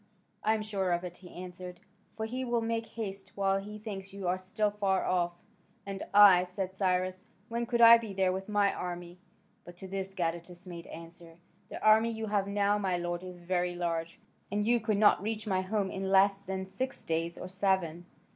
"I am sure of it," he answered, "for he will make haste while he thinks you are still far off." "And I," said Cyrus, "when could I be there with my army?" But to this Gadatas made answer, "The army you have now, my lord, is very large, and you could not reach my home in less than six days or seven."